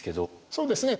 そうですね。